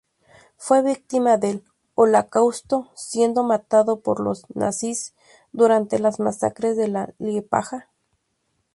Fue víctima del Holocausto, siendo matado por los nazis durante las masacres de Liepāja.